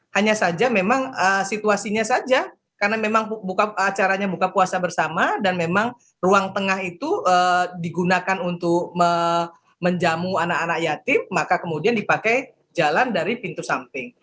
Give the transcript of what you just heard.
hanya saja memang situasinya saja karena memang acaranya buka puasa bersama dan memang ruang tengah itu digunakan untuk menjamu anak anak yatim maka kemudian dipakai jalan dari pintu samping